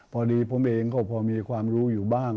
พอดีผมเองก็พอมีความรู้อยู่บ้าง